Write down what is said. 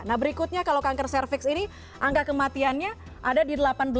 nah berikutnya kalau kanker cervix ini angka kematiannya ada di delapan belas dua ratus tujuh puluh sembilan